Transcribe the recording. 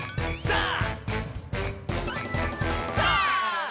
さあ！